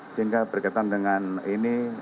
sehingga berkaitan dengan ini